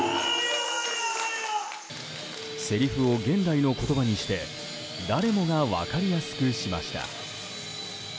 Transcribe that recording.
せりふを現代の言葉にして誰もが分かりやすくしました。